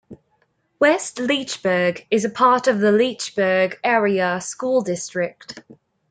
West Leechburg is a part of the Leechburg Area School District.